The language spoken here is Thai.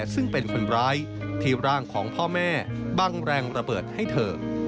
ซึ่งเป็นคนร้ายที่ร่างของพ่อแม่บังแรงระเบิดให้เธอ